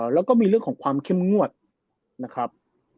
แล้วก็มีเรื่องของความเข้มงวดนะครับ